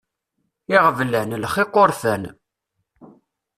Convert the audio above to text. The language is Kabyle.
Iɣeblan, lxiq, urfan.